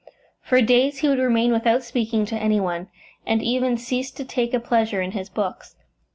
For days he would remain without speaking to any one, and even ceased to take a pleasure in his books.